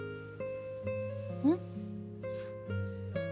うん？